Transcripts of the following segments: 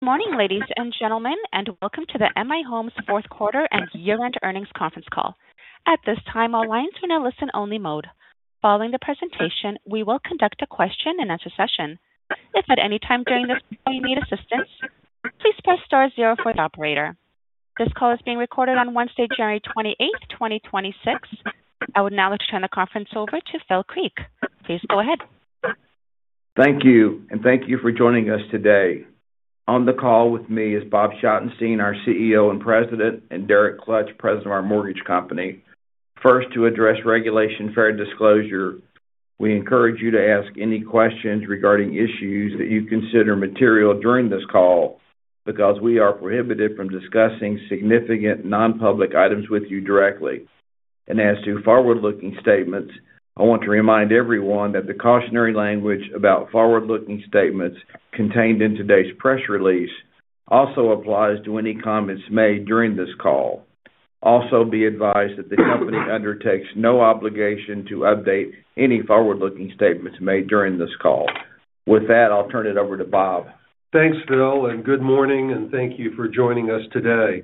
Good morning, ladies and gentlemen, and welcome to the M/I Homes fourth quarter and year-end earnings conference call. At this time, all lines are now in listen-only mode. Following the presentation, we will conduct a question-and-answer session. If at any time during this call you need assistance, please press star zero for the operator. This call is being recorded on Wednesday, January 28th, 2026. I would now like to turn the conference over to Phil Creek. Please go ahead. Thank you, and thank you for joining us today. On the call with me is Bob Schottenstein, our CEO and President, and Derek Klutch, President of our mortgage company. First, to address Regulation Fair Disclosure, we encourage you to ask any questions regarding issues that you consider material during this call, because we are prohibited from discussing significant non-public items with you directly. As to forward-looking statements, I want to remind everyone that the cautionary language about forward-looking statements contained in today's press release also applies to any comments made during this call. Also, be advised that the company undertakes no obligation to update any forward-looking statements made during this call. With that, I'll turn it over to Bob. Thanks, Phil, and good morning, and thank you for joining us today.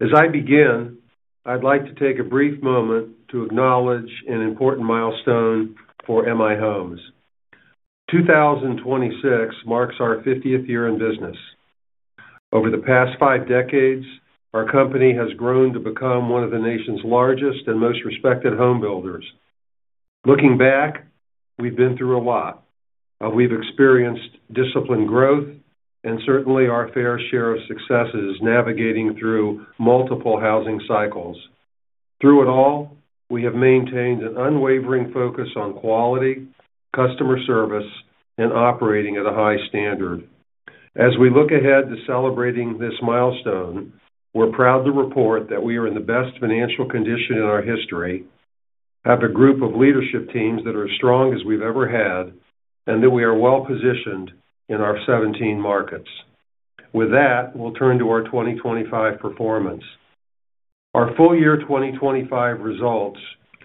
As I begin, I'd like to take a brief moment to acknowledge an important milestone for M/I Homes. 2026 marks our 50th year in business. Over the past five decades, our company has grown to become one of the nation's largest and most respected homebuilders. Looking back, we've been through a lot, but we've experienced disciplined growth and certainly our fair share of successes navigating through multiple housing cycles. Through it all, we have maintained an unwavering focus on quality, customer service, and operating at a high standard. As we look ahead to celebrating this milestone, we're proud to report that we are in the best financial condition in our history, have a group of leadership teams that are as strong as we've ever had, and that we are well-positioned in our 17 markets. With that, we'll turn to our 2025 performance. Our full year 2025 results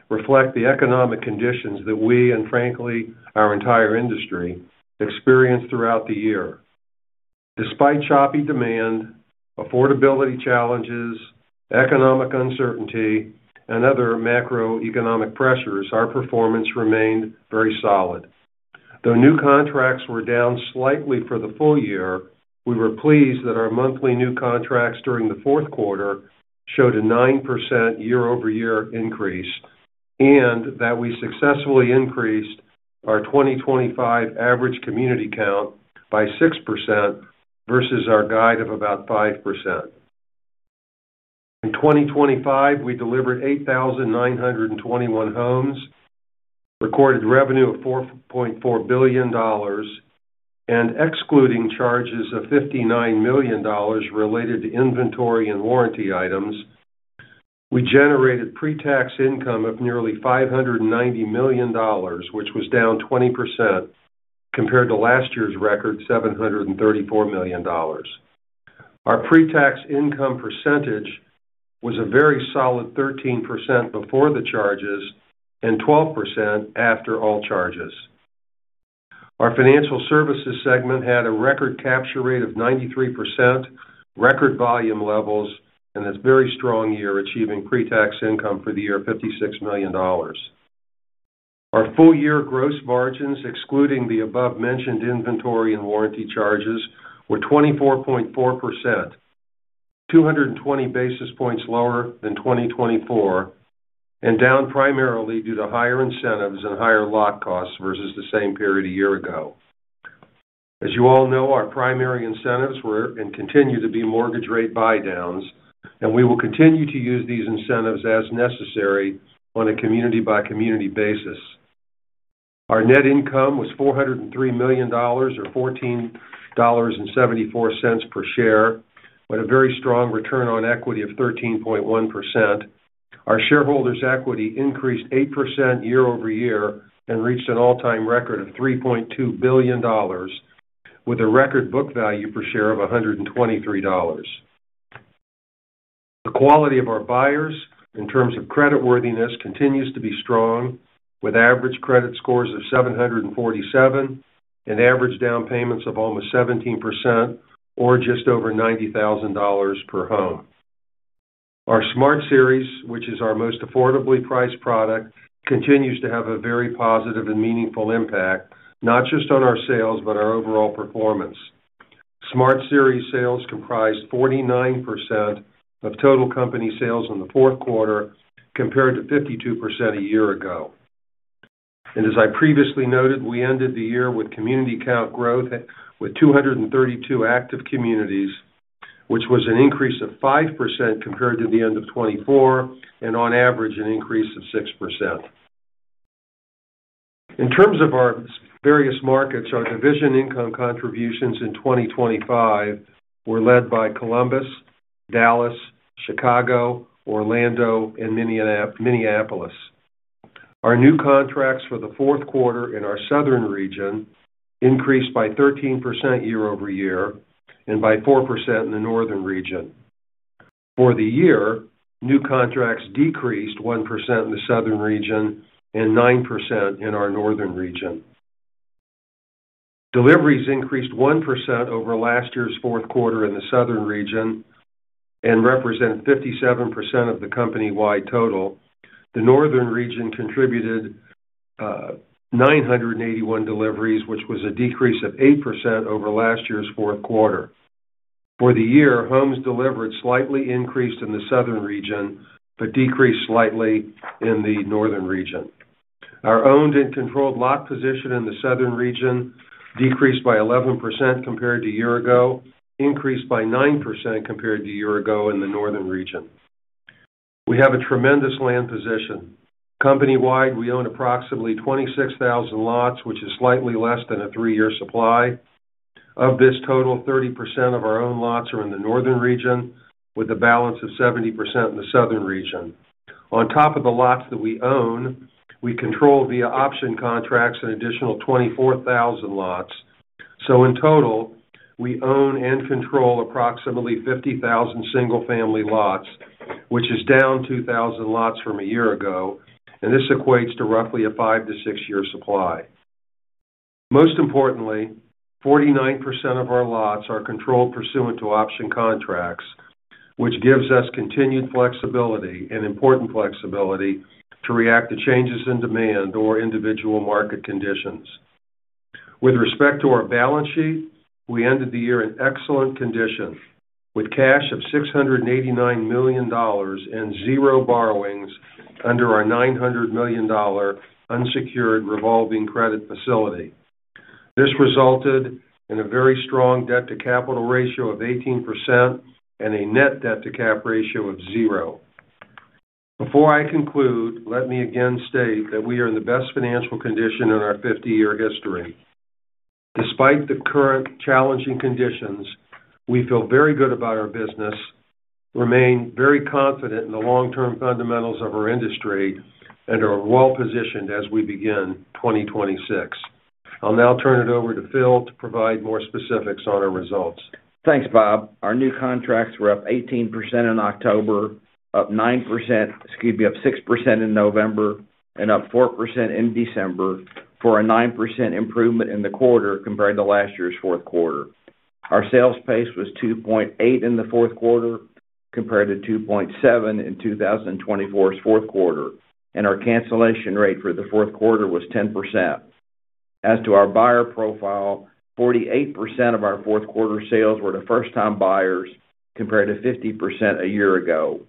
reflect the economic conditions that we, and frankly, our entire industry, experienced throughout the year. Despite choppy demand, affordability challenges, economic uncertainty, and other macroeconomic pressures, our performance remained very solid. Though new contracts were down slightly for the full year, we were pleased that our monthly new contracts during the fourth quarter showed a 9% year-over-year increase, and that we successfully increased our 2025 average community count by 6% versus our guide of about 5%. In 2025, we delivered 8,921 homes, recorded revenue of $4.4 billion, and excluding charges of $59 million related to inventory and warranty items, we generated pre-tax income of nearly $590 million, which was down 20% compared to last year's record, $734 million. Our pre-tax income percentage was a very solid 13% before the charges and 12% after all charges. Our financial services segment had a record capture rate of 93%, record volume levels, and a very strong year, achieving pre-tax income for the year of $56 million. Our full-year gross margins, excluding the above-mentioned inventory and warranty charges, were 24.4%, 220 basis points lower than 2024, and down primarily due to higher incentives and higher lot costs versus the same period a year ago. As you all know, our primary incentives were and continue to be mortgage rate buydowns, and we will continue to use these incentives as necessary on a community-by-community basis. Our net income was $403 million, or $14.74 per share, with a very strong return on equity of 13.1%. Our shareholders' equity increased 8% year-over-year and reached an all-time record of $3.2 billion, with a record book value per share of $123. The quality of our buyers in terms of creditworthiness continues to be strong, with average credit scores of 747 and average down payments of almost 17%, or just over $90,000 per home. Our Smart Series, which is our most affordably priced product, continues to have a very positive and meaningful impact, not just on our sales, but our overall performance. Smart Series sales comprised 49% of total company sales in the fourth quarter, compared to 52% a year ago. As I previously noted, we ended the year with community count growth with 232 active communities, which was an increase of 5% compared to the end of 2024, and on average, an increase of 6%. In terms of our various markets, our division income contributions in 2025 were led by Columbus, Dallas, Chicago, Orlando, and Minneapolis. Our new contracts for the fourth quarter in our Southern Region increased by 13% year-over-year and by 4% in the Northern Region. For the year, new contracts decreased 1% in the Southern Region and 9% in our Northern Region. Deliveries increased 1% over last year's fourth quarter in the Southern Region and represented 57% of the company-wide total. The Northern Region contributed 981 deliveries, which was a decrease of 8% over last year's fourth quarter. For the year, homes delivered slightly increased in the Southern Region, but decreased slightly in the Northern Region. Our owned and controlled lot position in the Southern Region decreased by 11% compared to a year ago, increased by 9% compared to a year ago in the Northern Region. We have a tremendous land position. Company-wide, we own approximately 26,000 lots, which is slightly less than a 3-year supply. Of this total, 30% of our own lots are in the Northern Region, with a balance of 70% in the Southern Region. On top of the lots that we own, we control, via option contracts, an additional 24,000 lots. So in total, we own and control approximately 50,000 single-family lots, which is down 2,000 lots from a year ago, and this equates to roughly a five to six-year supply. Most importantly, 49% of our lots are controlled pursuant to option contracts, which gives us continued flexibility and important flexibility to react to changes in demand or individual market conditions. With respect to our balance sheet, we ended the year in excellent condition, with cash of $689 million and zero borrowings under our $900 million unsecured revolving credit facility. This resulted in a very strong debt-to-capital ratio of 18% and a net debt-to-cap ratio of zero. Before I conclude, let me again state that we are in the best financial condition in our 50-year history. Despite the current challenging conditions, we feel very good about our business, remain very confident in the long-term fundamentals of our industry, and are well-positioned as we begin 2026. I'll now turn it over to Phil to provide more specifics on our results. Thanks, Bob. Our new contracts were up 18% in October, up 9%, excuse me, up 6% in November, and up 4% in December, for a 9% improvement in the quarter compared to last year's fourth quarter. Our sales pace was 2.8 in the fourth quarter, compared to 2.7 in 2024's fourth quarter, and our cancellation rate for the fourth quarter was 10%. As to our buyer profile, 48% of our fourth quarter sales were to first-time buyers, compared to 50% a year ago.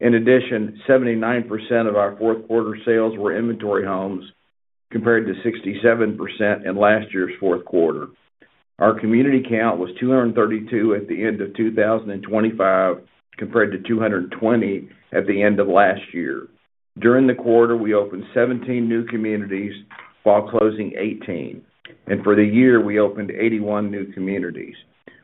In addition, 79% of our fourth quarter sales were inventory homes, compared to 67% in last year's fourth quarter. Our community count was 232 at the end of 2025, compared to 220 at the end of last year. During the quarter, we opened 17 new communities while closing 18, and for the year, we opened 81 new communities.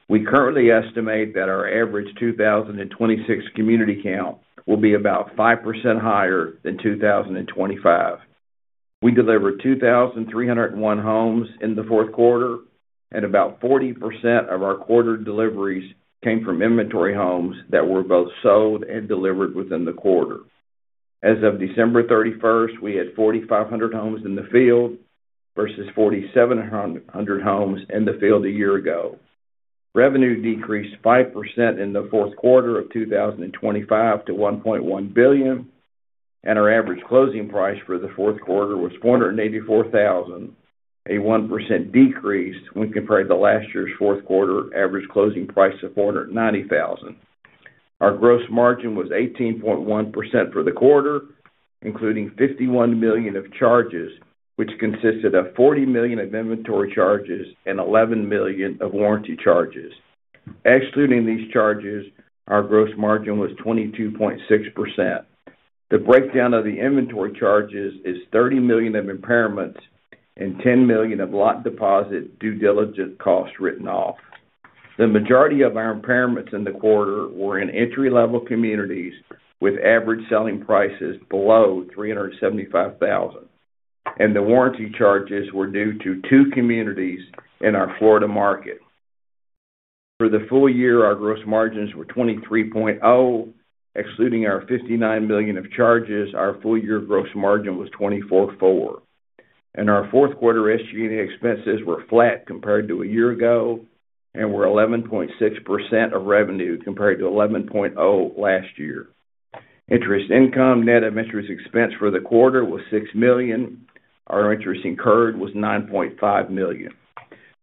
We currently estimate that our average 2026 community count will be about 5% higher than 2025. We delivered 2,301 homes in the fourth quarter, and about 40% of our quarter deliveries came from inventory homes that were both sold and delivered within the quarter. As of December 31st, we had 4,500 homes in the field versus 4,700 homes in the field a year ago. Revenue decreased 5% in the fourth quarter of 2025 to $1.1 billion, and our average closing price for the fourth quarter was $484,000, a 1% decrease when compared to last year's fourth quarter average closing price of $490,000. Our gross margin was 18.1% for the quarter, including $51 million of charges, which consisted of $40 million of inventory charges and $11 million of warranty charges. Excluding these charges, our gross margin was 22.6%. The breakdown of the inventory charges is $30 million of impairments and $10 million of lot deposit due diligence costs written off. The majority of our impairments in the quarter were in entry-level communities with average selling prices below $375,000, and the warranty charges were due to two communities in our Florida market. For the full year, our gross margins were 23.0%. Excluding our $59 million of charges, our full-year gross margin was 24.4%. Our fourth quarter SG&A expenses were flat compared to a year ago, and were 11.6% of revenue, compared to 11.0% last year. Interest income, net of interest expense for the quarter was $6 million. Our interest incurred was $9.5 million.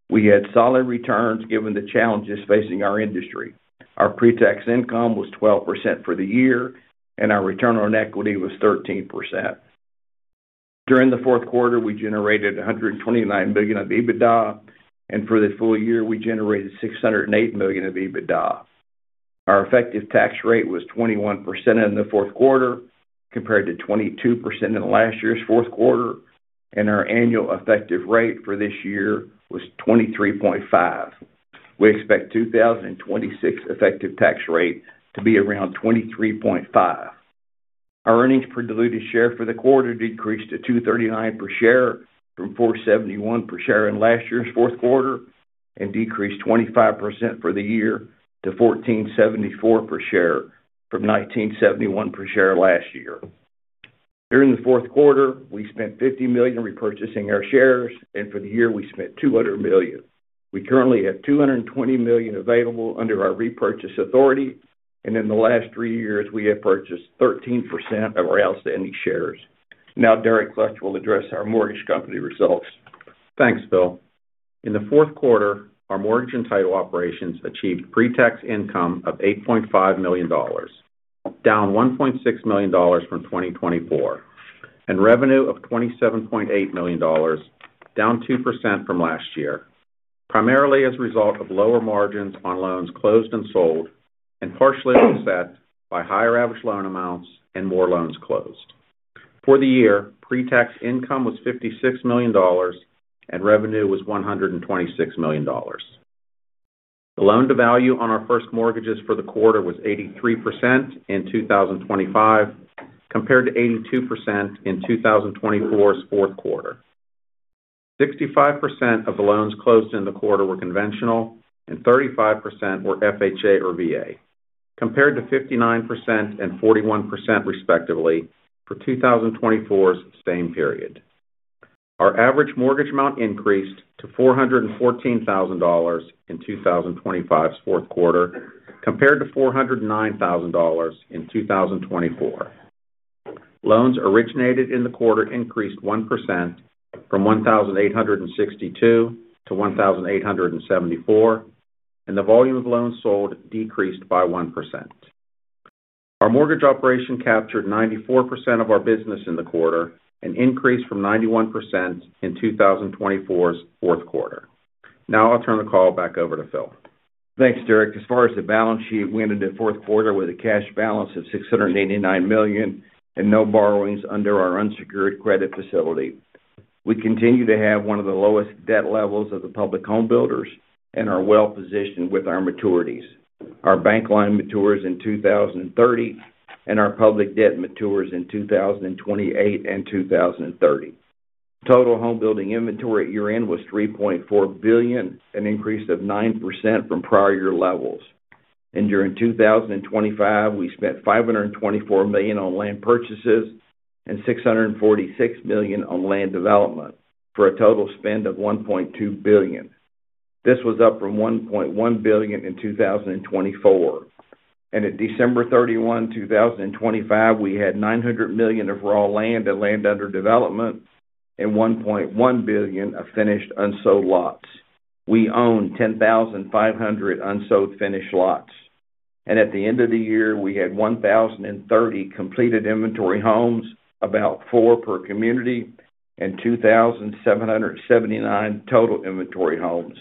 We had solid returns, given the challenges facing our industry. Our pre-tax income was 12% for the year, and our return on equity was 13%. During the fourth quarter, we generated $129 million of EBITDA, and for the full year, we generated $608 million of EBITDA. Our effective tax rate was 21% in the fourth quarter, compared to 22% in last year's fourth quarter, and our annual effective rate for this year was 23.5%. We expect 2026 effective tax rate to be around 23.5%. Our earnings per diluted share for the quarter decreased to $2.39 per share from $4.71 per share in last year's fourth quarter, and decreased 25% for the year to $14.74 per share from $19.71 per share last year. During the fourth quarter, we spent $50 million repurchasing our shares, and for the year, we spent $200 million. We currently have $220 million available under our repurchase authority, and in the last three years, we have purchased 13% of our outstanding shares. Now, Derek Klutch will address our mortgage company results. Thanks, Phil. In the fourth quarter, our mortgage and title operations achieved pre-tax income of $8.5 million, down $1.6 million from 2024, and revenue of $27.8 million, down 2% from last year, primarily as a result of lower margins on loans closed and sold, and partially offset by higher average loan amounts and more loans closed. For the year, pre-tax income was $56 million, and revenue was $126 million. The loan-to-value on our first mortgages for the quarter was 83% in 2025, compared to 82% in 2024's fourth quarter. 65% of the loans closed in the quarter were conventional and 35% were FHA or VA, compared to 59% and 41%, respectively, for 2024's same period. Our average mortgage amount increased to $414,000 in 2025's fourth quarter, compared to $409,000 in 2024. Loans originated in the quarter increased 1% from 1,862 to 1,874, and the volume of loans sold decreased by 1%. Our mortgage operation captured 94% of our business in the quarter, an increase from 91% in 2024's fourth quarter. Now I'll turn the call back over to Phil. Thanks, Derek. As far as the balance sheet, we ended the fourth quarter with a cash balance of $689 million and no borrowings under our unsecured credit facility. We continue to have one of the lowest debt levels of the public home builders and are well-positioned with our maturities. Our bank line matures in 2030, and our public debt matures in 2028 and 2030. Total home building inventory at year-end was $3.4 billion, an increase of 9% from prior year levels. During 2025, we spent $524 million on land purchases and $646 million on land development, for a total spend of $1.2 billion. This was up from $1.1 billion in 2024. At December 31, 2025, we had $900 million of raw land and land under development and $1.1 billion of finished unsold lots. We own 10,500 unsold finished lots, and at the end of the year, we had 1,030 completed inventory homes, about 4 per community, and 2,779 total inventory homes.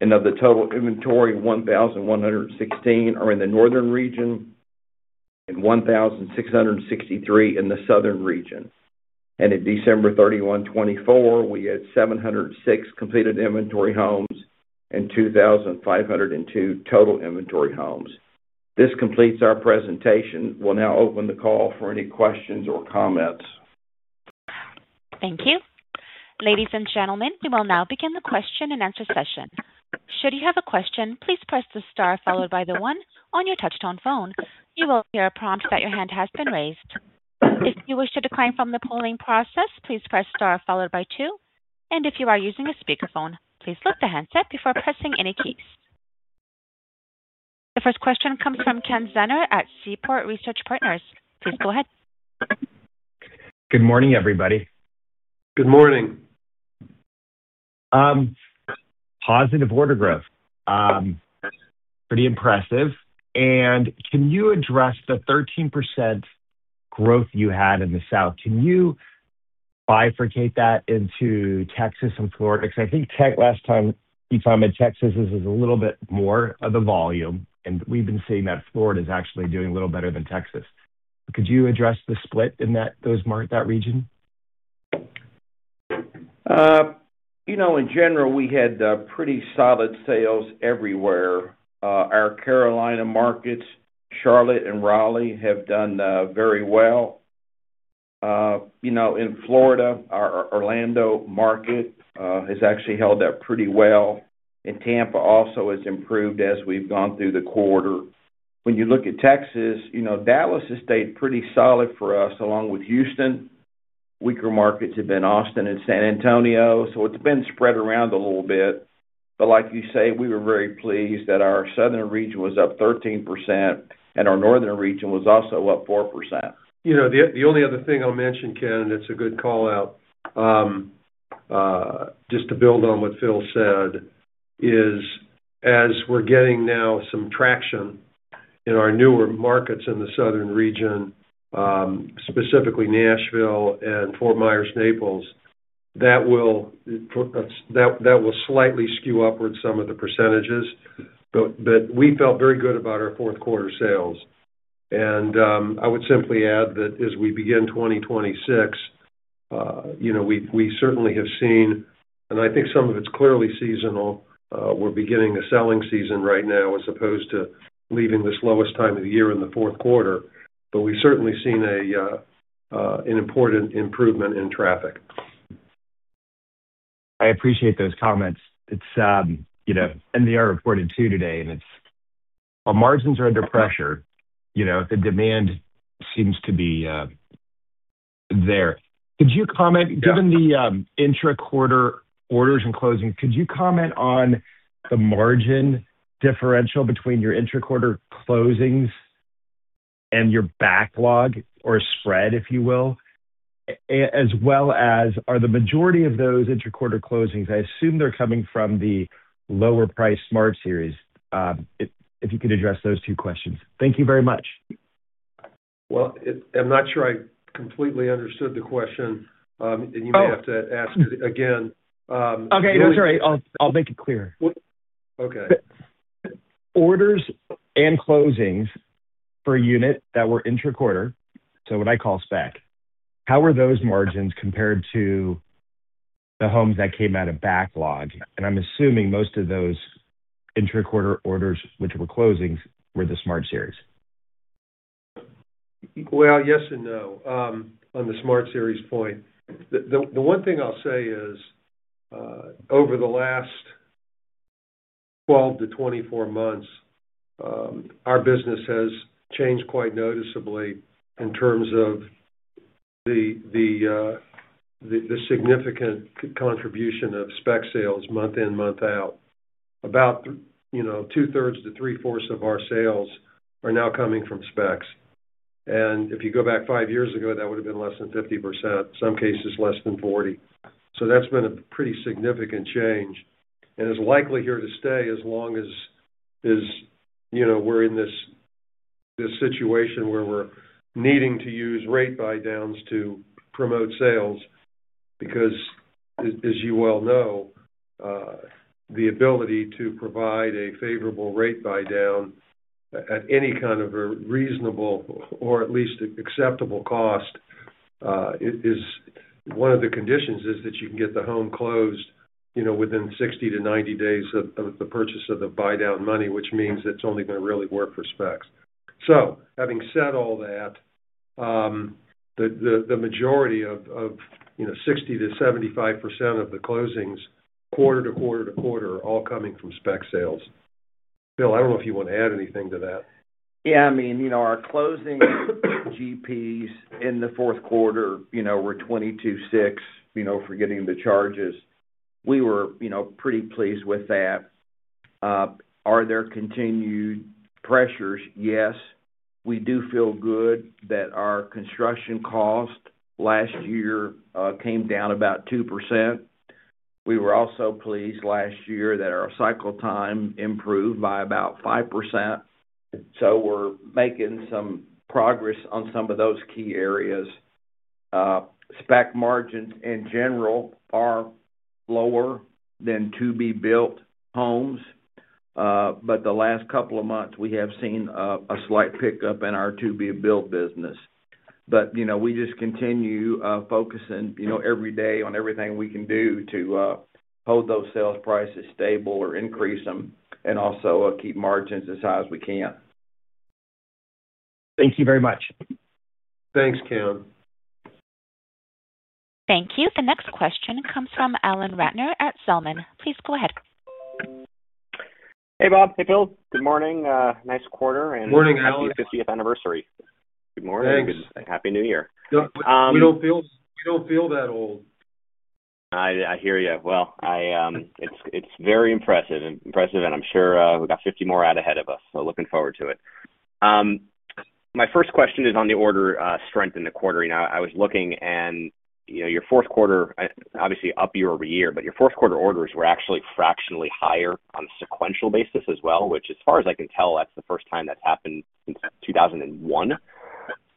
Of the total inventory, 1,116 are in the Northern Region and 1,663 in the Southern Region. At December 31, 2024, we had 706 completed inventory homes and 2,502 total inventory homes. This completes our presentation. We'll now open the call for any questions or comments. Thank you. Ladies and gentlemen, we will now begin the question-and-answer session. Should you have a question, please press the star followed by the one on your touchtone phone. You will hear a prompt that your hand has been raised. If you wish to decline from the polling process, please press star followed by two. And if you are using a speakerphone, please lift the handset before pressing any keys. The first question comes from Ken Zener at Seaport Research Partners. Please go ahead. Good morning, everybody. Good morning. Positive order growth, pretty impressive. And can you address the 13% growth you had in the South? Can you bifurcate that into Texas and Florida? Because I think Texas last time, each time in Texas, this is a little bit more of the volume, and we've been seeing that Florida is actually doing a little better than Texas. Could you address the split in that, that region? You know, in general, we had pretty solid sales everywhere. Our Carolina markets, Charlotte and Raleigh, have done very well. You know, in Florida, our Orlando market has actually held up pretty well, and Tampa also has improved as we've gone through the quarter. When you look at Texas, you know, Dallas has stayed pretty solid for us, along with Houston. Weaker markets have been Austin and San Antonio, so it's been spread around a little bit. But like you say, we were very pleased that our Southern Region was up 13% and our Northern Region was also up 4%. You know, the only other thing I'll mention, Ken, it's a good call-out. Just to build on what Phil said, as we're getting now some traction in our newer markets in the Southern Region, specifically Nashville and Fort Myers, Naples, that will slightly skew upwards some of the percentages. But we felt very good about our fourth quarter sales, and I would simply add that as we begin 2026-... you know, we certainly have seen, and I think some of it's clearly seasonal. We're beginning the selling season right now as opposed to leaving the slowest time of the year in the fourth quarter. But we've certainly seen an important improvement in traffic. I appreciate those comments. It's, you know, NVR reported, too, today, and it's... our margins are under pressure, you know, the demand seems to be there. Could you comment? Yeah. Given the intra-quarter orders and closings, could you comment on the margin differential between your intra-quarter closings and your backlog or spread, if you will? As well as, are the majority of those intra-quarter closings, I assume they're coming from the lower-priced Smart Series. If you could address those two questions. Thank you very much. Well, I'm not sure I completely understood the question. And you- Oh! may have to ask it again. Okay, no, sorry. I'll make it clearer. W- Okay. Orders and closings per unit that were intra-quarter, so what I call spec, how were those margins compared to the homes that came out of backlog? And I'm assuming most of those intra-quarter orders, which were closings, were the Smart Series. Well, yes and no. On the Smart Series point, the one thing I'll say is, over the last 12-24 months, our business has changed quite noticeably in terms of the significant contribution of spec sales month in, month out. About, you know, 2/3-3/4 of our sales are now coming from specs. And if you go back 5 years ago, that would've been less than 50%, some cases less than 40%. So that's been a pretty significant change, and is likely here to stay as long as, as, you know, we're in this situation where we're needing to use rate buydowns to promote sales. Because as you well know, the ability to provide a favorable rate buydown at any kind of a reasonable or at least acceptable cost, is, is... One of the conditions is that you can get the home closed, you know, within 60-90 days of the purchase of the buydown money, which means it's only going to really work for specs. So having said all that, the majority of, you know, 60%-75% of the closings, quarter to quarter to quarter, are all coming from spec sales. Phil, I don't know if you want to add anything to that. Yeah, I mean, you know, our closing GPs in the fourth quarter, you know, were 22.6, you know, forgetting the charges. We were, you know, pretty pleased with that. Are there continued pressures? Yes, we do feel good that our construction cost last year came down about 2%. We were also pleased last year that our cycle time improved by about 5%. So we're making some progress on some of those key areas. Spec margins, in general, are lower than to-be-built homes. But the last couple of months, we have seen a slight pickup in our to-be-built business. But, you know, we just continue focusing, you know, every day on everything we can do to hold those sales prices stable or increase them, and also keep margins as high as we can. Thank you very much. Thanks, Ken. Thank you. The next question comes from Alan Ratner at Zelman & Associates. Please go ahead. Hey, Bob. Hey, Phil. Good morning. Nice quarter and- Morning, Alan Happy fiftieth anniversary. Good morning. Thanks. Happy New Year. We don't feel, we don't feel that old. I hear you. Well, it's very impressive, and I'm sure we've got 50 more out ahead of us, so looking forward to it. My first question is on the order strength in the quarter. You know, I was looking, and, you know, your fourth quarter, obviously up year-over-year, but your fourth quarter orders were actually fractionally higher on a sequential basis as well, which, as far as I can tell, that's the first time that's happened since 2001.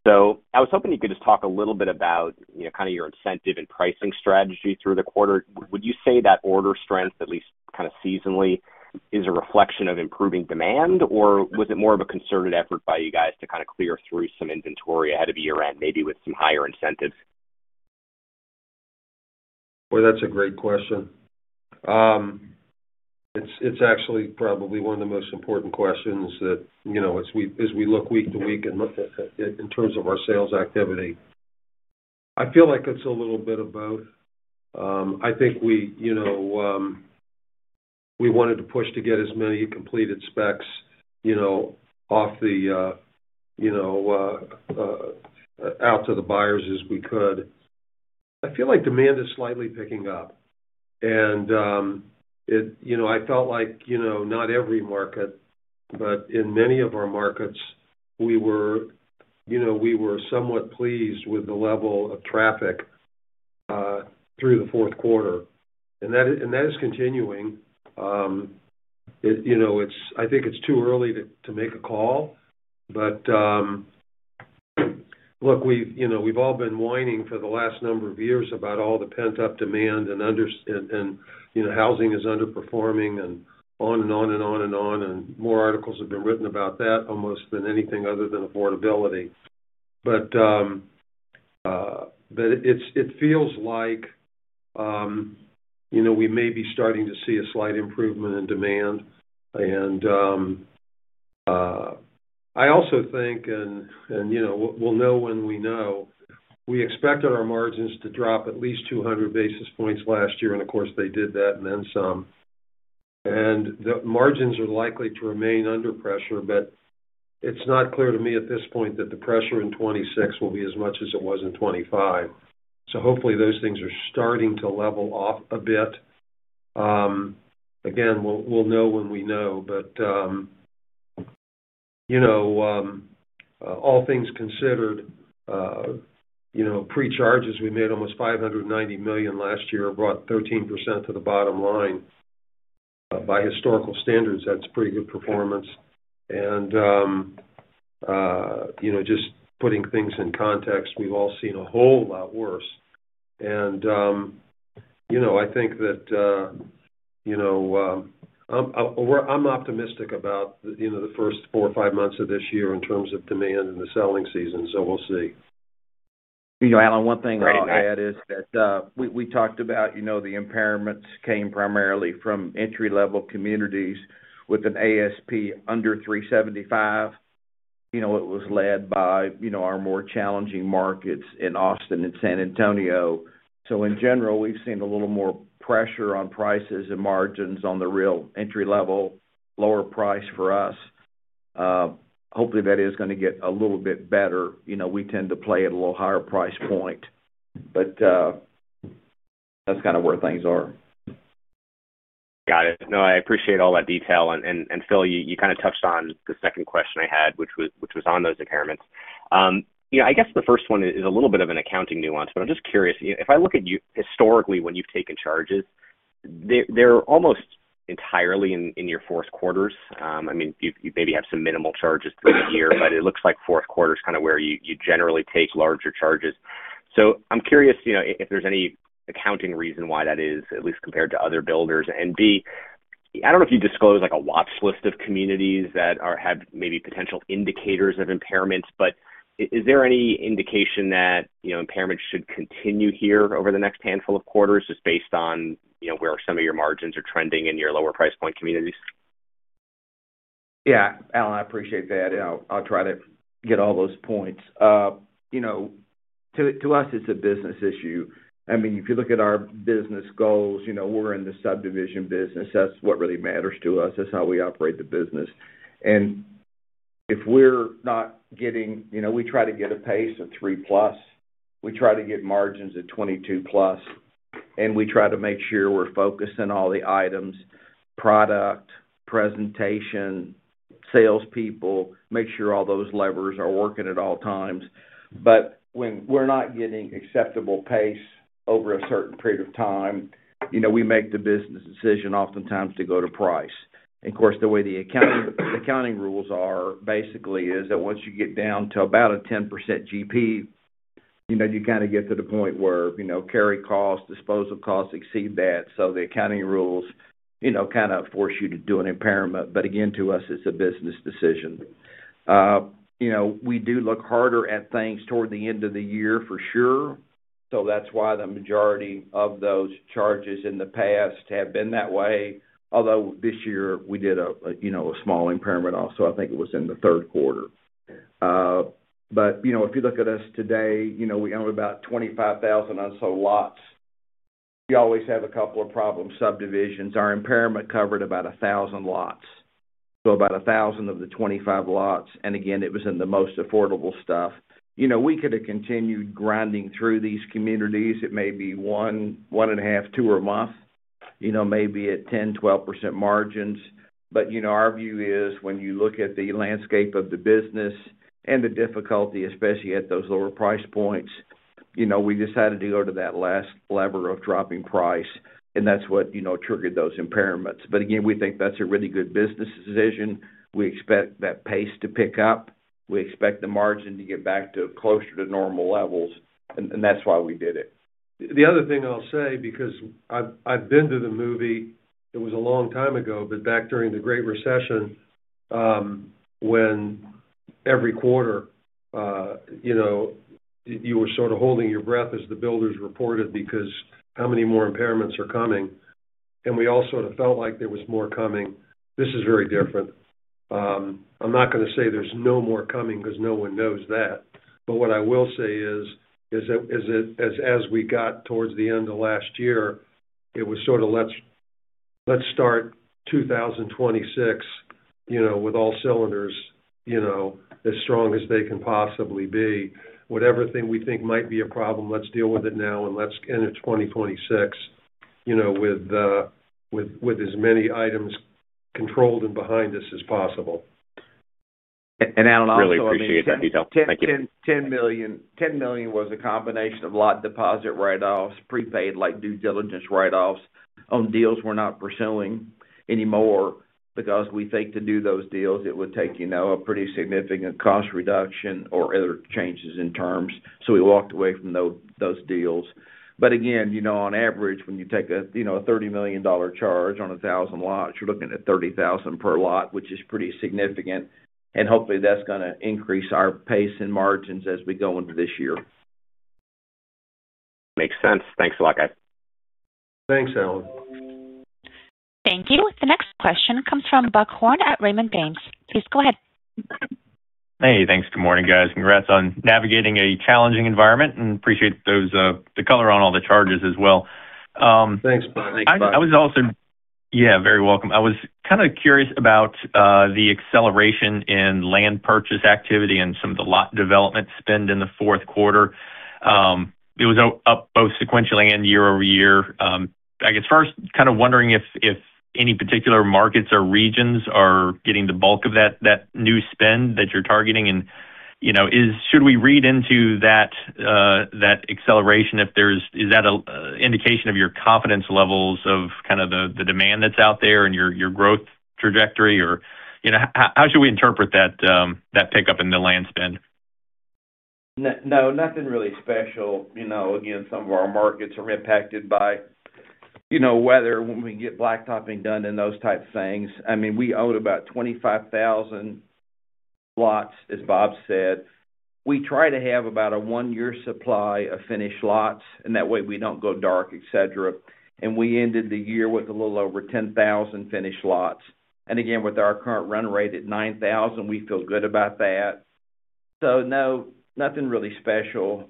So I was hoping you could just talk a little bit about, you know, kind of your incentive and pricing strategy through the quarter. Would you say that order strength, at least kind of seasonally, is a reflection of improving demand, or was it more of a concerted effort by you guys to kind of clear through some inventory ahead of year-end, maybe with some higher incentives? Well, that's a great question. It's actually probably one of the most important questions that, you know, as we look week to week and look at it in terms of our sales activity. I feel like it's a little bit of both. I think we, you know, we wanted to push to get as many completed specs, you know, off the, you know, out to the buyers as we could. I feel like demand is slightly picking up, and it, you know, I felt like, you know, not every market, but in many of our markets, we were, you know, we were somewhat pleased with the level of traffic through the fourth quarter. And that is continuing. You know, it's—I think it's too early to make a call, but look, we've, you know, we've all been whining for the last number of years about all the pent-up demand and, you know, housing is underperforming and on and on and on and on, and more articles have been written about that almost than anything other than affordability. But it feels like, you know, we may be starting to see a slight improvement in demand. And I also think, and you know, we'll know when we know, we expected our margins to drop at least 200 basis points last year, and of course, they did that, and then some. The margins are likely to remain under pressure, but it's not clear to me at this point that the pressure in 2026 will be as much as it was in 2025. So hopefully, those things are starting to level off a bit. Again, we'll know when we know. But, you know, all things considered, you know, pre-charges, we made almost $590 million last year, brought 13% to the bottom line. By historical standards, that's pretty good performance. And, you know, I think that, you know, I'm optimistic about, you know, the first four or five months of this year in terms of demand and the selling season, so we'll see. You know, Alan, one thing I'll add is that we talked about, you know, the impairments came primarily from entry-level communities with an ASP under $375,000. You know, it was led by, you know, our more challenging markets in Austin and San Antonio. So in general, we've seen a little more pressure on prices and margins on the real entry-level, lower price for us. Hopefully, that is gonna get a little bit better. You know, we tend to play at a little higher price point, but that's kind of where things are. Got it. No, I appreciate all that detail. And Phil, you kind of touched on the second question I had, which was on those impairments. You know, I guess the first one is a little bit of an accounting nuance, but I'm just curious. If I look at you historically, when you've taken charges, they're almost entirely in your fourth quarters. I mean, you maybe have some minimal charges through the year, but it looks like fourth quarter is kind of where you generally take larger charges. So I'm curious, you know, if there's any accounting reason why that is, at least compared to other builders. And B, I don't know if you disclose, like, a watch list of communities that have maybe potential indicators of impairments, but is there any indication that, you know, impairments should continue here over the next handful of quarters, just based on, you know, where some of your margins are trending in your lower price point communities? Yeah, Alan, I appreciate that, and I'll, I'll try to get all those points. You know, to, to us, it's a business issue. I mean, if you look at our business goals, you know, we're in the subdivision business. That's what really matters to us. That's how we operate the business. And if we're not getting... You know, we try to get a pace of 3+. We try to get margins at 22+, and we try to make sure we're focused on all the items, product, presentation, salespeople, make sure all those levers are working at all times. But when we're not getting acceptable pace over a certain period of time, you know, we make the business decision oftentimes to go to price. Of course, the way the accounting, the accounting rules are, basically, is that once you get down to about a 10% GP, you know, you kind of get to the point where, you know, carry costs, disposal costs exceed that, so the accounting rules, you know, kind of force you to do an impairment. But again, to us, it's a business decision. You know, we do look harder at things toward the end of the year, for sure. So that's why the majority of those charges in the past have been that way. Although this year we did a, you know, a small impairment also, I think it was in the third quarter. But, you know, if you look at us today, you know, we own about 25,000 or so lots. We always have a couple of problem subdivisions. Our impairment covered about 1,000 lots, so about 1,000 of the 25 lots, and again, it was in the most affordable stuff. You know, we could have continued grinding through these communities. It may be 1, 1.5, 2 a month, you know, maybe at 10%, 12% margins. But, you know, our view is when you look at the landscape of the business and the difficulty, especially at those lower price points, you know, we decided to go to that last lever of dropping price, and that's what, you know, triggered those impairments. But again, we think that's a really good business decision. We expect that pace to pick up. We expect the margin to get back to closer to normal levels, and, and that's why we did it. The other thing I'll say, because I've been to the movie, it was a long time ago, but back during the Great Recession, when every quarter, you know, you were sort of holding your breath as the builders reported, because how many more impairments are coming? And we all sort of felt like there was more coming. This is very different. I'm not gonna say there's no more coming because no one knows that. But what I will say is that as we got towards the end of last year, it was sort of let's start 2026, you know, with all cylinders, you know, as strong as they can possibly be. Whatever thing we think might be a problem, let's deal with it now and let's end in 2026, you know, with as many items controlled and behind us as possible. And, Alan, also- Really appreciate that detail. Thank you. Ten million was a combination of lot deposit write-offs, prepaid, like, due diligence write-offs on deals we're not pursuing anymore because we think to do those deals, it would take, you know, a pretty significant cost reduction or other changes in terms. So we walked away from those deals. But again, you know, on average, when you take a, you know, a $30 million charge on 1,000 lots, you're looking at $30,000 per lot, which is pretty significant, and hopefully, that's gonna increase our pace and margins as we go into this year. Makes sense. Thanks a lot, guys. Thanks, Alan. Thank you. The next question comes from Buck Horne at Raymond James. Please go ahead. Hey, thanks. Good morning, guys. Congrats on navigating a challenging environment, and appreciate those, the color on all the charges as well. Thanks, Buck. Thanks, Buck. I was also... Yeah, very welcome. I was kind of curious about the acceleration in land purchase activity and some of the lot development spend in the fourth quarter. It was up both sequentially and year-over-year. I guess first, kind of wondering if any particular markets or regions are getting the bulk of that new spend that you're targeting, and, you know, should we read into that acceleration? Is that an indication of your confidence levels of kind of the demand that's out there and your growth trajectory? Or, you know, how should we interpret that pickup in the land spend? No, nothing really special. You know, again, some of our markets are impacted by, you know, weather, when we can get blacktopping done and those types of things. I mean, we owned about 25,000 lots, as Bob said. We try to have about a one-year supply of finished lots, and that way, we don't go dark, et cetera. And we ended the year with a little over 10,000 finished lots. And again, with our current run rate at 9,000, we feel good about that. So no, nothing really special.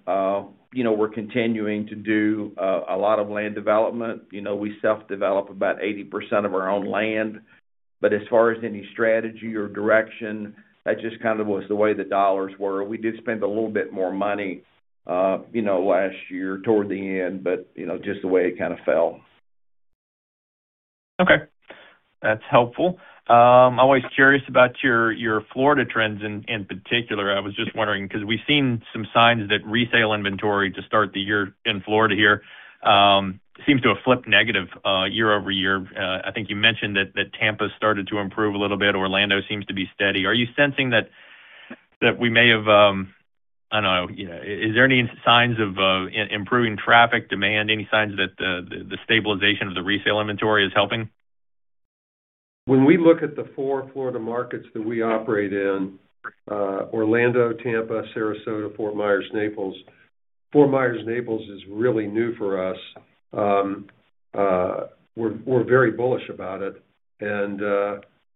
You know, we're continuing to do a lot of land development. You know, we self-develop about 80% of our own land. But as far as any strategy or direction, that just kind of was the way the dollars were. We did spend a little bit more money, you know, last year toward the end, but, you know, just the way it kind of fell. Okay. That's helpful. I'm always curious about your Florida trends in particular. I was just wondering, because we've seen some signs that resale inventory to start the year in Florida here seems to have flipped negative year-over-year. I think you mentioned that Tampa started to improve a little bit. Orlando seems to be steady. Are you sensing that we may have, I don't know, is there any signs of improving traffic, demand, any signs that the stabilization of the resale inventory is helping? When we look at the four Florida markets that we operate in, Orlando, Tampa, Sarasota, Fort Myers, Naples. Fort Myers, Naples is really new for us. We're very bullish about it, and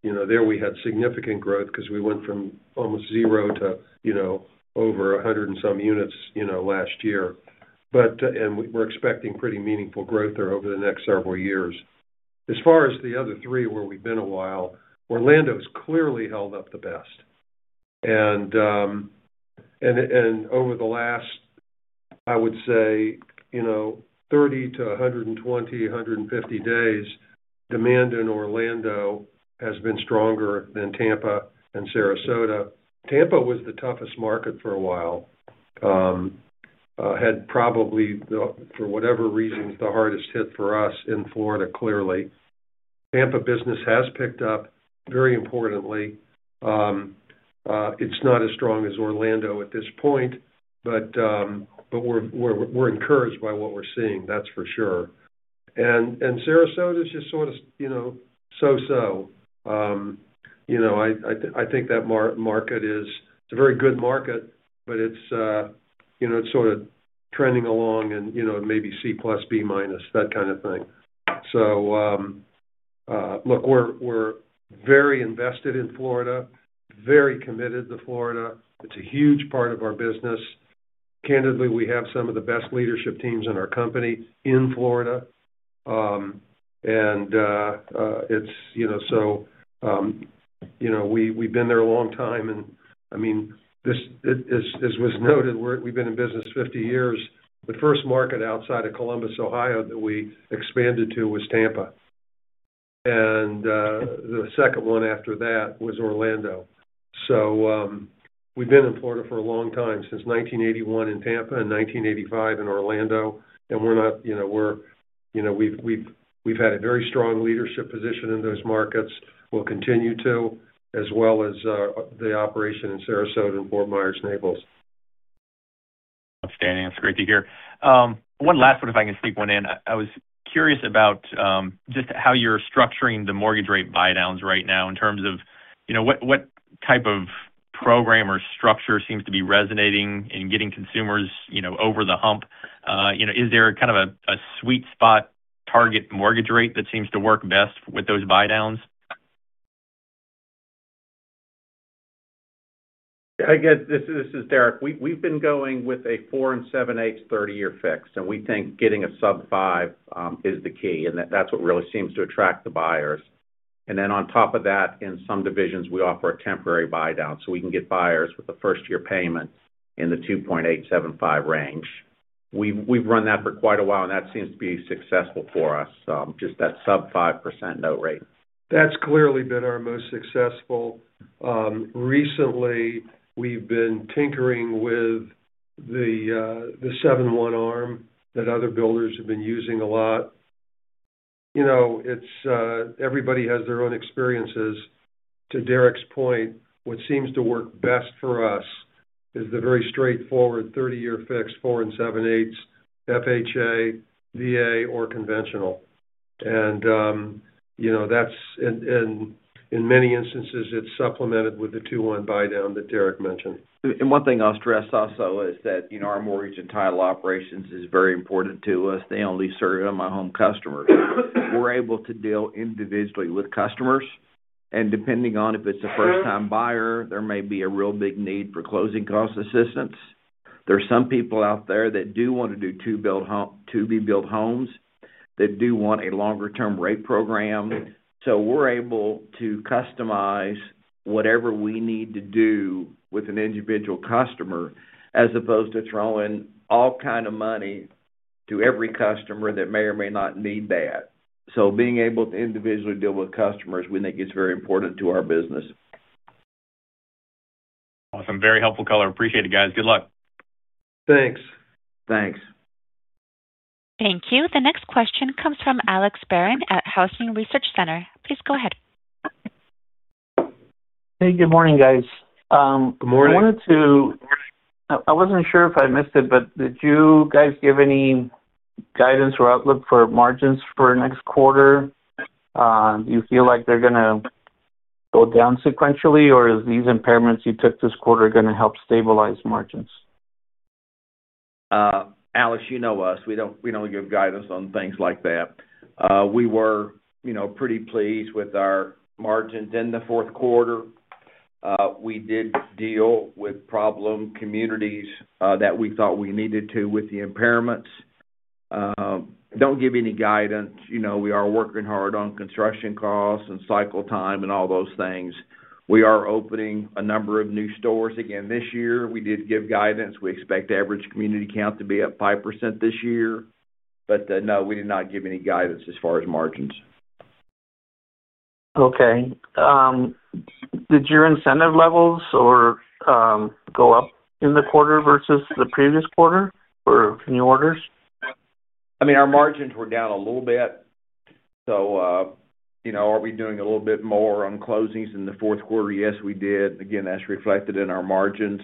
you know, there we had significant growth because we went from almost zero to, you know, over 100 and some units, you know, last year. But... And we're expecting pretty meaningful growth there over the next several years. As far as the other three, where we've been a while, Orlando's clearly held up the best. And over the last, I would say, you know, 30 to 120, 150 days, demand in Orlando has been stronger than Tampa and Sarasota. Tampa was the toughest market for a while. Had probably the hardest hit for us in Florida, for whatever reason, clearly. Tampa business has picked up, very importantly. It's not as strong as Orlando at this point, but we're encouraged by what we're seeing, that's for sure. Sarasota is just sort of, you know, so-so. You know, I think that market is a very good market, but it's, you know, it's sort of trending along and, you know, maybe C plus, B minus, that kind of thing. Look, we're very invested in Florida, very committed to Florida. It's a huge part of our business. Candidly, we have some of the best leadership teams in our company in Florida. And, it's, you know, so, you know, we, we've been there a long time, and, I mean, this, as was noted, we've been in business 50 years. The first market outside of Columbus, Ohio, that we expanded to was Tampa. And, the second one after that was Orlando. So, we've been in Florida for a long time, since 1981 in Tampa and 1985 in Orlando, and we're not, you know, we're, you know, we've had a very strong leadership position in those markets, will continue to, as well as, the operation in Sarasota and Fort Myers, Naples. Outstanding. That's great to hear. One last one, if I can sneak one in. I was curious about just how you're structuring the mortgage rate buy-downs right now in terms of, you know, what type of program or structure seems to be resonating in getting consumers, you know, over the hump? You know, is there kind of a sweet spot target mortgage rate that seems to work best with those buy-downs? Hey, guys, this is Derek. We've been going with a 4.875, 30-year fix, and we think getting a sub-5 is the key, and that's what really seems to attract the buyers. And then on top of that, in some divisions, we offer a temporary buydown, so we can get buyers with a first-year payment in the 2.875 range. We've run that for quite a while, and that seems to be successful for us, just that sub-5% note rate. That's clearly been our most successful. Recently, we've been tinkering with the 7/1 ARM that other builders have been using a lot. You know, it's, everybody has their own experiences. To Derek's point, what seems to work best for us is the very straightforward 30-year fixed, 4 7/8, FHA, VA, or conventional... And, you know, that's, and, and in many instances, it's supplemented with the 2-1 buydown that Derek mentioned. One thing I'll stress also is that, you know, our mortgage and title operations is very important to us. They only serve M/I Homes customers. We're able to deal individually with customers, and depending on if it's a first-time buyer, there may be a real big need for closing cost assistance. There are some people out there that do want to build to-be-built homes, that do want a longer-term rate program. So we're able to customize whatever we need to do with an individual customer, as opposed to throwing all kind of money to every customer that may or may not need that. So being able to individually deal with customers, we think, is very important to our business. Awesome. Very helpful color. Appreciate it, guys. Good luck. Thanks. Thanks. Thank you. The next question comes from Alex Barron at Housing Research Center. Please go ahead. Hey, good morning, guys. Good morning. I wasn't sure if I missed it, but did you guys give any guidance or outlook for margins for next quarter? Do you feel like they're gonna go down sequentially, or is these impairments you took this quarter gonna help stabilize margins? Alex, you know us. We don't, we don't give guidance on things like that. We were, you know, pretty pleased with our margins in the fourth quarter. We did deal with problem communities, that we thought we needed to with the impairments. Don't give any guidance. You know, we are working hard on construction costs and cycle time and all those things. We are opening a number of new communities again this year. We did give guidance. We expect average community count to be up 5% this year, but, no, we did not give any guidance as far as margins. Okay. Did your incentive levels or go up in the quarter versus the previous quarter for new orders? I mean, our margins were down a little bit, so, you know, are we doing a little bit more on closings in the fourth quarter? Yes, we did. Again, that's reflected in our margins.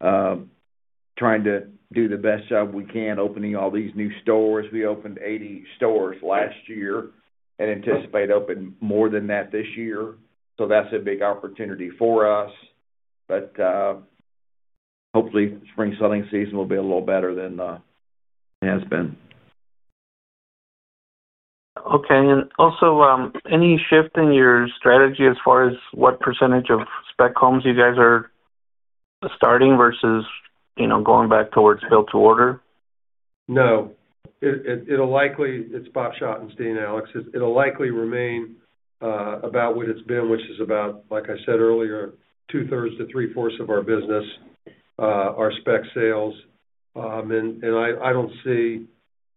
Trying to do the best job we can, opening all these new stores. We opened 80 stores last year and anticipate opening more than that this year, so that's a big opportunity for us. But, hopefully, spring selling season will be a little better than it has been. Okay. And also, any shift in your strategy as far as what percentage of spec homes you guys are starting versus, you know, going back towards build-to-order? No, it'll likely... It's Bob Schottenstein, Alex. It'll likely remain about what it's been, which is about, like I said earlier, two-thirds to three-fourths of our business, our spec sales. And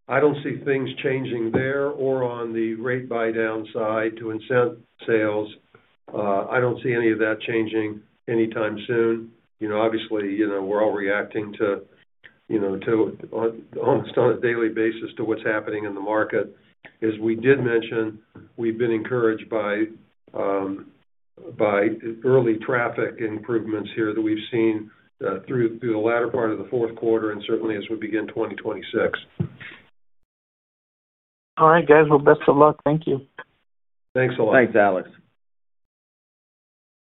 I don't see things changing there or on the rate buy down side to incent sales. I don't see any of that changing anytime soon. You know, obviously, you know, we're all reacting to, you know, on almost a daily basis, to what's happening in the market. As we did mention, we've been encouraged by early traffic improvements here that we've seen through the latter part of the fourth quarter and certainly as we begin 2026. All right, guys. Well, best of luck. Thank you. Thanks a lot. Thanks, Alex.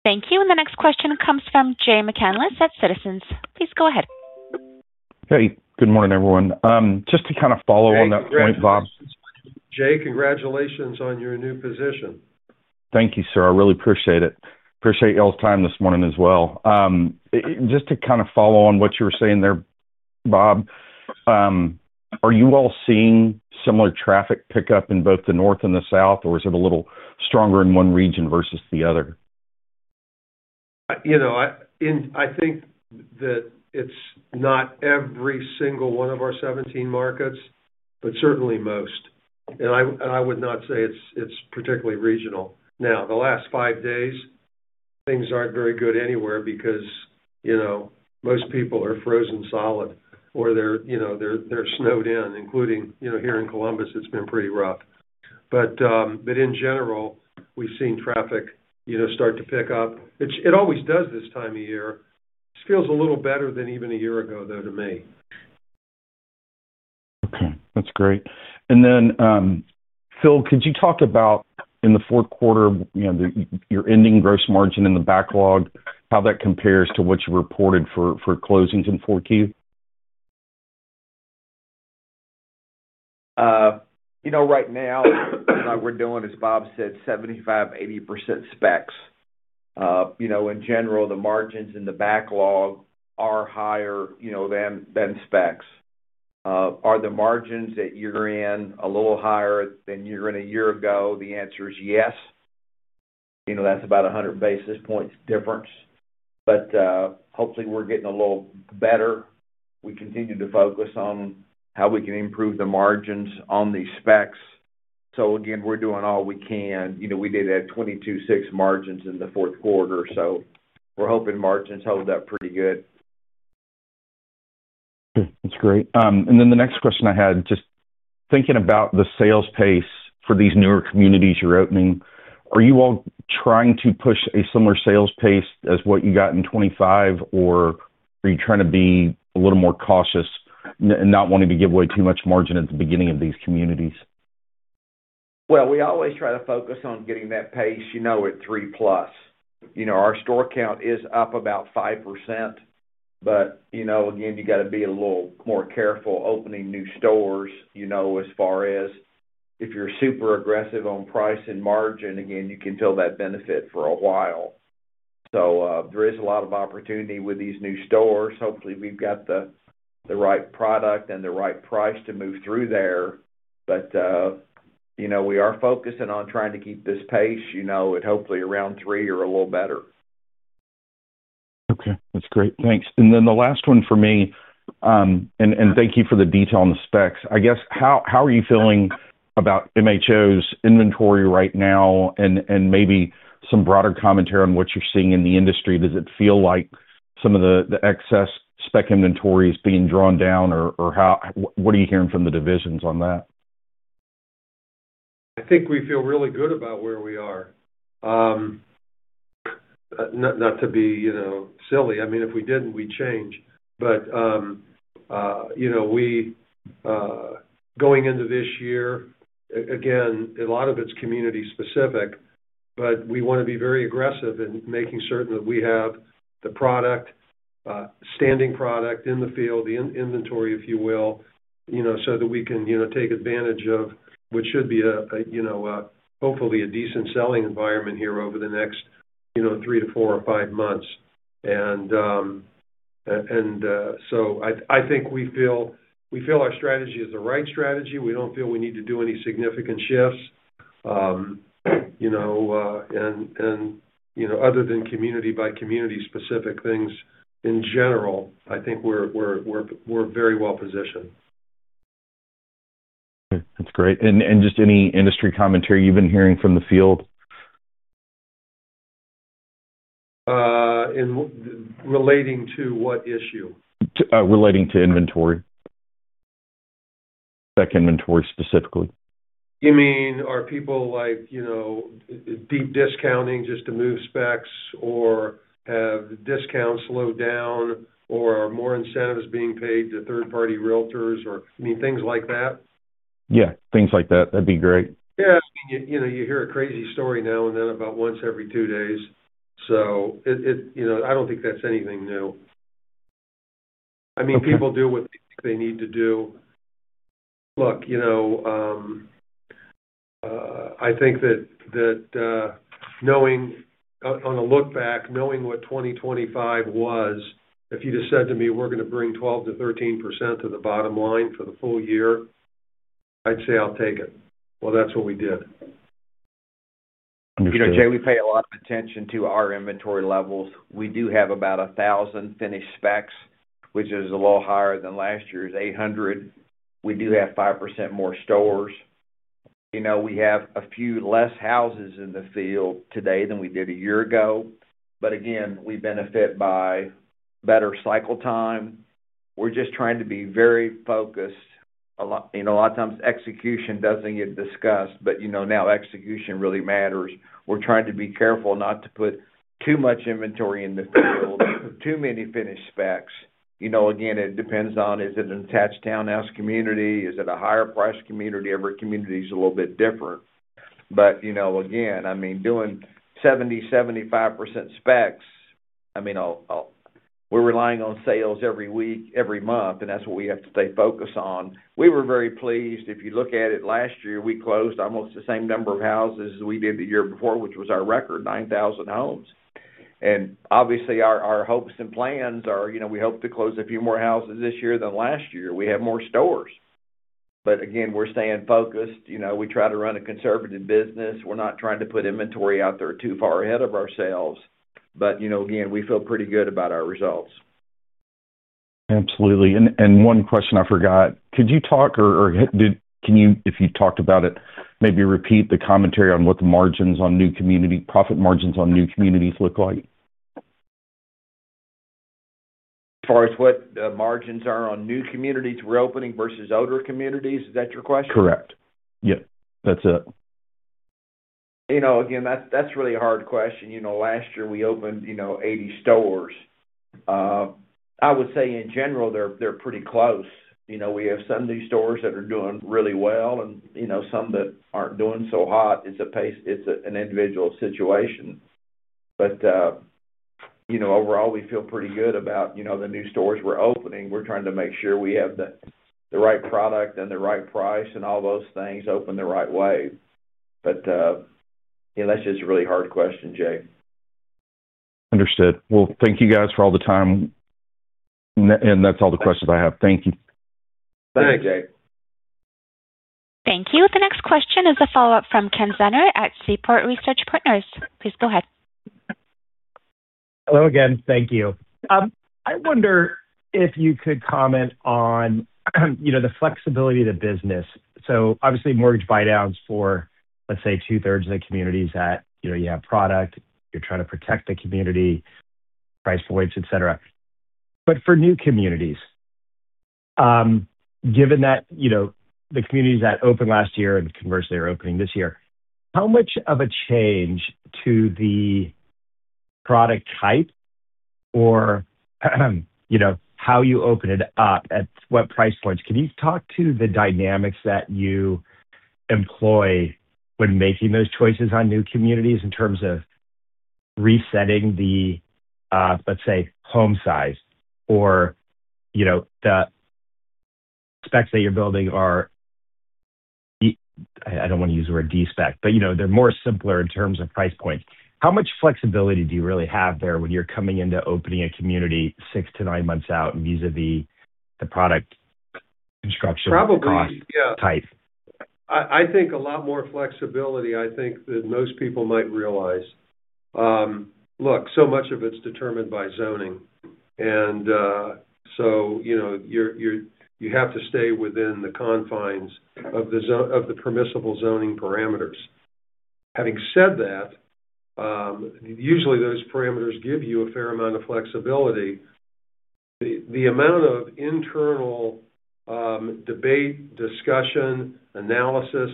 Thank you. The next question comes from Jay McCanless at Citizens. Please go ahead. Hey, good morning, everyone. Just to kind of follow on that point, Bob- Jay, congratulations on your new position. Thank you, sir. I really appreciate it. Appreciate y'all's time this morning as well. Just to kind of follow on what you were saying there, Bob, are you all seeing similar traffic pickup in both the North and the South, or is it a little stronger in one region versus the other? You know, I think that it's not every single one of our 17 markets, but certainly most. And I, and I would not say it's, it's particularly regional. Now, the last five days, things aren't very good anywhere because, you know, most people are frozen solid or they're, you know, they're, they're snowed in, including, you know, here in Columbus, it's been pretty rough. But, but in general, we've seen traffic, you know, start to pick up. It, it always does this time of year. Just feels a little better than even a year ago, though, to me. Okay, that's great. And then, Phil, could you talk about in the fourth quarter, you know, your ending gross margin in the backlog, how that compares to what you reported for, for closings in 4Q? You know, right now, we're doing, as Bob said, 75%-80% specs. You know, in general, the margins in the backlog are higher, you know, than, than specs. Are the margins that you're in a little higher than you were in a year ago? The answer is yes. You know, that's about 100 basis points difference, but, hopefully, we're getting a little better. We continue to focus on how we can improve the margins on the specs. So again, we're doing all we can. You know, we did have 22.6 margins in the fourth quarter, so we're hoping margins hold up pretty good. That's great. And then the next question I had, just thinking about the sales pace for these newer communities you're opening, are you all trying to push a similar sales pace as what you got in 25, or are you trying to be a little more cautious, not wanting to give away too much margin at the beginning of these communities? Well, we always try to focus on getting that pace, you know, at 3+. You know, our store count is up about 5%, but, you know, again, you got to be a little more careful opening new stores, you know, as far as if you're super aggressive on price and margin, again, you can feel that benefit for a while. So, there is a lot of opportunity with these new stores. Hopefully, we've got the right product and the right price to move through there. But, you know, we are focusing on trying to keep this pace, you know, at hopefully around 3 or a little better. Okay, that's great. Thanks. And then the last one for me, and thank you for the detail on the specs. I guess, how are you feeling about MHO's inventory right now? And maybe some broader commentary on what you're seeing in the industry. Does it feel like some of the excess spec inventory is being drawn down, or what are you hearing from the divisions on that? I think we feel really good about where we are. Not to be, you know, silly. I mean, if we didn't, we'd change. But, you know, we going into this year, again, a lot of it's community specific, but we wanna be very aggressive in making certain that we have the product, standing product in the field, the inventory, if you will, you know, so that we can, you know, take advantage of what should be a, hopefully, a decent selling environment here over the next, you know, 3 to 4 or 5 months. And, so I think we feel, we feel our strategy is the right strategy. We don't feel we need to do any significant shifts. You know, other than community by community specific things, in general, I think we're very well positioned. Okay. That's great. And just any industry commentary you've been hearing from the field? In relating to what issue? To, relating to inventory. Spec inventory, specifically. You mean, are people like, you know, deep discounting just to move specs, or have the discounts slowed down, or are more incentives being paid to third-party realtors, or, I mean, things like that? Yeah, things like that. That'd be great. Yeah, you know, you hear a crazy story now and then, about once every two days. So it—you know, I don't think that's anything new. Okay. I mean, people do what they need to do. Look, you know, I think that knowing... On a look back, knowing what 2025 was, if you just said to me, we're gonna bring 12%-13% to the bottom line for the full year, I'd say, I'll take it. Well, that's what we did. Understood. You know, Jay, we pay a lot of attention to our inventory levels. We do have about 1,000 finished specs, which is a little higher than last year's 800. We do have 5% more stores. You know, we have a few less houses in the field today than we did a year ago, but again, we benefit by better cycle time. We're just trying to be very focused. A lot, you know, a lot of times execution doesn't get discussed, but, you know, now execution really matters. We're trying to be careful not to put too much inventory in the field, too many finished specs. You know, again, it depends on, is it an attached townhouse community? Is it a higher price community? Every community is a little bit different. But, you know, again, I mean, doing 70%-75% specs, I mean, we're relying on sales every week, every month, and that's what we have to stay focused on. We were very pleased. If you look at it, last year, we closed almost the same number of houses as we did the year before, which was our record, 9,000 homes. And obviously, our, our hopes and plans are, you know, we hope to close a few more houses this year than last year. We have more stores. But again, we're staying focused. You know, we try to run a conservative business. We're not trying to put inventory out there too far ahead of ourselves. But, you know, again, we feel pretty good about our results. Absolutely. And one question I forgot: Could you talk, or did... Can you, if you talked about it, maybe repeat the commentary on what the margins on new community-profit margins on new communities look like? As far as what, margins are on new communities we're opening versus older communities, is that your question? Correct. Yep, that's it. You know, again, that's, that's really a hard question. You know, last year we opened, you know, 80 stores. I would say in general, they're, they're pretty close. You know, we have some new stores that are doing really well, and, you know, some that aren't doing so hot. It's a pace. It's an individual situation. But, you know, overall, we feel pretty good about, you know, the new stores we're opening. We're trying to make sure we have the, the right product and the right price and all those things open the right way. But, you know, that's just a really hard question, Jay. Understood. Well, thank you guys for all the time. And that's all the questions I have. Thank you. Thanks, Jay. Thank you. The next question is a follow-up from Ken Zener at Seaport Research Partners. Please go ahead. Hello again. Thank you. I wonder if you could comment on, you know, the flexibility of the business. So obviously, mortgage buydowns for, let's say, two-thirds of the communities that, you know, you have product, you're trying to protect the community, price points, et cetera. But for new communities, given that, you know, the communities that opened last year and conversely, are opening this year, how much of a change to the product type or, you know, how you open it up at what price points? Can you talk to the dynamics that you employ when making those choices on new communities in terms of resetting the, let's say, home size or, you know, the specs that you're building are, I don't want to use the word de-spec, but, you know, they're more simpler in terms of price points. How much flexibility do you really have there when you're coming into opening a community six to nine months out vis-à-vis the product construction? Probably, yeah- -type. I think a lot more flexibility, I think, than most people might realize. Look, so much of it's determined by zoning, and so, you know, you have to stay within the confines of the zone of the permissible zoning parameters. Having said that, usually those parameters give you a fair amount of flexibility. The amount of internal debate, discussion, analysis,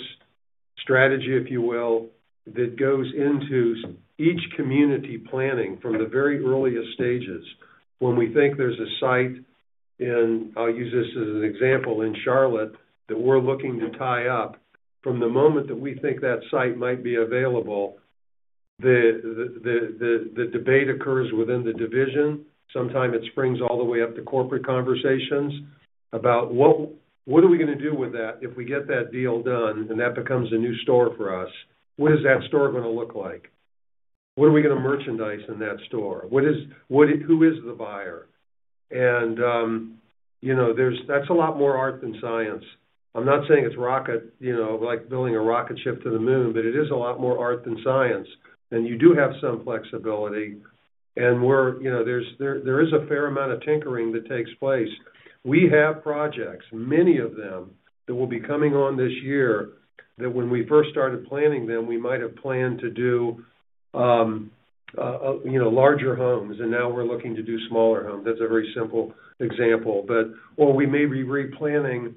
strategy, if you will, that goes into each community planning from the very earliest stages when we think there's a site, and I'll use this as an example, in Charlotte, that we're looking to tie up. From the moment that we think that site might be available, the debate occurs within the division. Sometimes it springs all the way up to corporate conversations about what, what are we gonna do with that if we get that deal done, and that becomes a new store for us? What is that store gonna look like? What are we gonna merchandise in that store? What is... Who is the buyer? And, you know, there's—that's a lot more art than science. I'm not saying it's rocket, you know, like building a rocket ship to the moon, but it is a lot more art than science, and you do have some flexibility. And we're, you know, there's, there, there is a fair amount of tinkering that takes place. We have projects, many of them, that will be coming on this year, that when we first started planning them, we might have planned to do, you know, larger homes, and now we're looking to do smaller homes. That's a very simple example. But or we may be replanning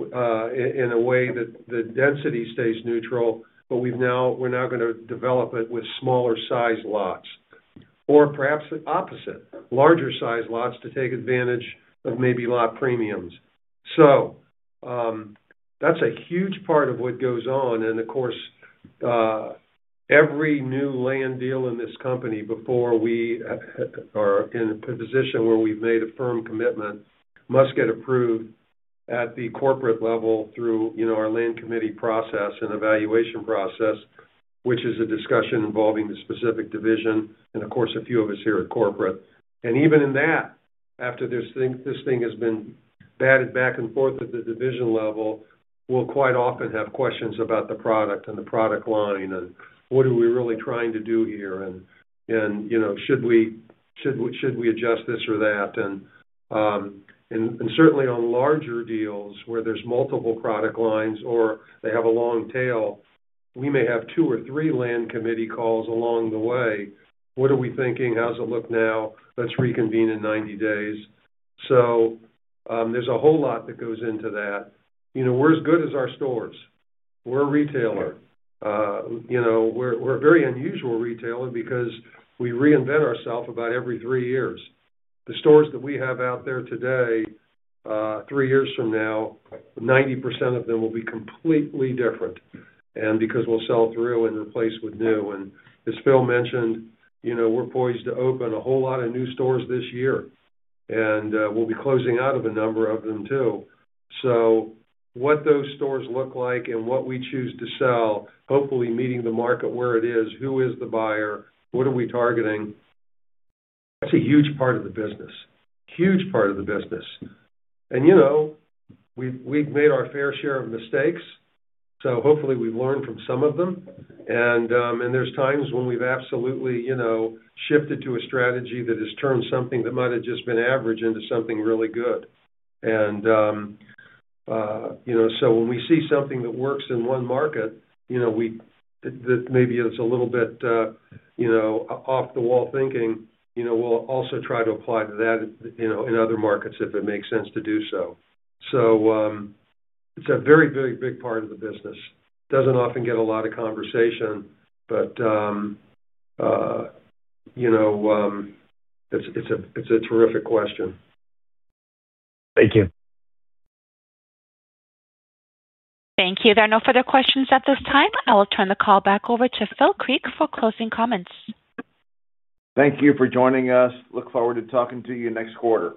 in a way that the density stays neutral, but we're now gonna develop it with smaller size lots, or perhaps the opposite, larger size lots to take advantage of maybe lot premiums. So, that's a huge part of what goes on. Of course, every new land deal in this company before we are in a position where we've made a firm commitment, must get approved at the corporate level through, you know, our land committee process and evaluation process, which is a discussion involving the specific division and, of course, a few of us here at corporate. And even in that, after this thing, this thing has been batted back and forth at the division level, we'll quite often have questions about the product and the product line, and what are we really trying to do here? And, and, you know, should we, should we, should we adjust this or that? And, and, and certainly on larger deals where there's multiple product lines, or they have a long tail, we may have two or three land committee calls along the way. What are we thinking? How does it look now? Let's reconvene in 90 days. So, there's a whole lot that goes into that. You know, we're as good as our stores. We're a retailer. You know, we're a very unusual retailer because we reinvent ourself about every three years. The stores that we have out there today, three years from now, 90% of them will be completely different, and because we'll sell through and replace with new. And as Phil mentioned, you know, we're poised to open a whole lot of new stores this year, and we'll be closing out of a number of them, too. So what those stores look like and what we choose to sell, hopefully meeting the market where it is, who is the buyer, what are we targeting? That's a huge part of the business. Huge part of the business. You know, we've made our fair share of mistakes, so hopefully, we've learned from some of them. And there's times when we've absolutely, you know, shifted to a strategy that has turned something that might have just been average into something really good. And you know, so when we see something that works in one market, you know, that maybe is a little bit, you know, off the wall thinking, you know, we'll also try to apply that, you know, in other markets if it makes sense to do so. So it's a very, very big part of the business. Doesn't often get a lot of conversation, but you know, it's a terrific question. Thank you. Thank you. There are no further questions at this time. I will turn the call back over to Phil Creek for closing comments. Thank you for joining us. Look forward to talking to you next quarter.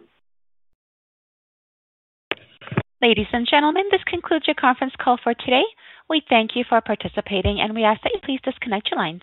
Ladies and gentlemen, this concludes your conference call for today. We thank you for participating, and we ask that you please disconnect your lines.